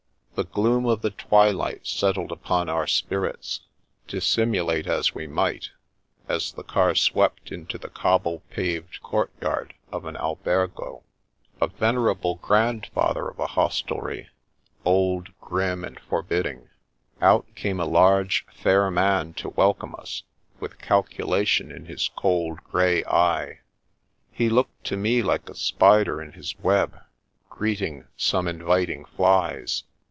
The gloom of the twilight settled upon our spirits, dissimulate as we might, as the car swept into the cobble paved courtyard of an albergo, a vener able grandfather of a hostelry, old, grim, and for bidding. Out came a large, fair man to welcome us, with calculation in his cold grey eye. He looked to me like a spider in his web, greeting some inviting flies.